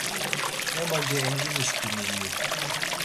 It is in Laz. Emogi Enginişǩimi iyu.